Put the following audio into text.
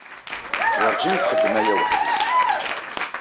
Werǧin txeddem aya weḥd-s.